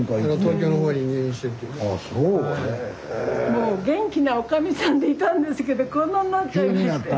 もう元気なおかみさんでいたんですけどこんなんなっちゃいまして。